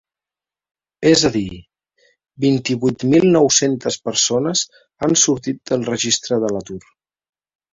És a dir, vint-i-vuit mil nou-centes persones han sortit del registre de l’atur.